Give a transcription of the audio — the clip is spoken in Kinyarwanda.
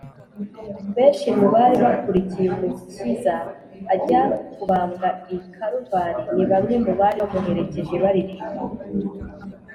benshi mu bari bakurikiye umukiza ajya kubambwa i kaluvari, ni bamwe mu bari bamuherekeje baririmba